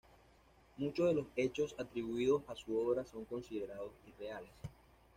Muchos de los hechos atribuidos a su obra son considerados irreales.